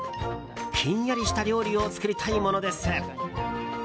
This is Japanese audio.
ひんやりした料理を作りたいものです。